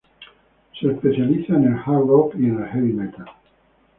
Se especializa en el Hard Rock y el Heavy metal.